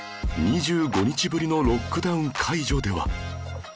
２５日ぶりのロックダウン解除では